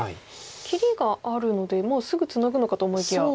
切りがあるのでもうすぐツナぐのかと思いきや。